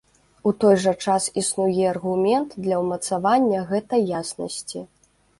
У той жа час існуе аргумент для ўмацавання гэтай яснасці.